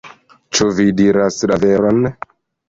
Ĉu vi diras la veron?